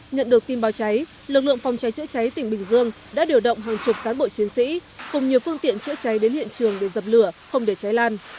nhận được tin báo cháy lực lượng phòng cháy chữa cháy tỉnh bình dương đã điều động hàng chục cán bộ chiến sĩ cùng nhiều phương tiện chữa cháy đến hiện trường để dập lửa không để cháy lan